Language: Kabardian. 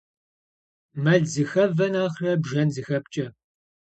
Мэл зыхэвэ нэхърэ бжэн зыхэпкӏэ.